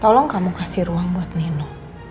tolong kamu kasih ruang buat nino